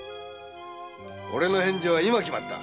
俺の返事は今決まった。